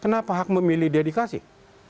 kenapa hak memilih dia dikasih